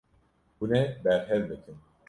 Hûn ê berhev bikin.